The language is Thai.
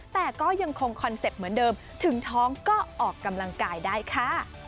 แต่ก็ยังคงคอนเซ็ปต์เหมือนเดิมถึงท้องก็ออกกำลังกายได้ค่ะ